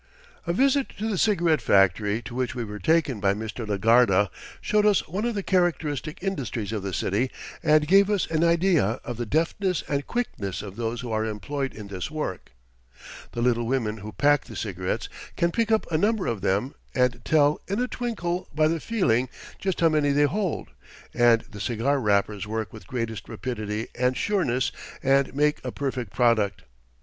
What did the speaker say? A visit to the cigarette factory to which we were taken by Mr. Legarda showed us one of the characteristic industries of the city and gave us an idea of the deftness and quickness of those who are employed in this work. The little women who pack the cigarettes can pick up a number of them and tell in a twinkle by the feeling just how many they hold, and the cigar wrappers work with greatest rapidity and sureness and make a perfect product.